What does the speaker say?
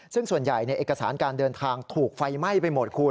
ซึ่งส่วนใหญ่เอกสารการเดินทางถูกไฟไหม้ไปหมดคุณ